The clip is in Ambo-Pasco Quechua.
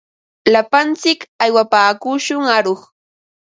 Lapantsik aywapaakushun aruq.